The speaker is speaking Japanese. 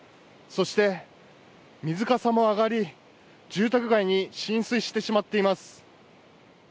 そして水かさも上がり、住宅街に浸水してしまっています。